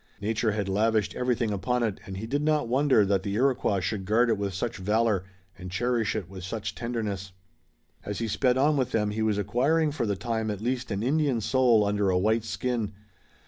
Nature had lavished everything upon it, and he did not wonder that the Iroquois should guard it with such valor, and cherish it with such tenderness. As he sped on with them he was acquiring for the time at least an Indian soul under a white skin.